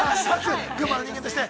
◆群馬の人間としてね。